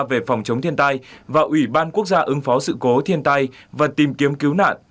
về phòng chống thiên tai và ủy ban quốc gia ứng phó sự cố thiên tai và tìm kiếm cứu nạn